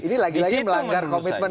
ini lagi lagi melanggar komitmen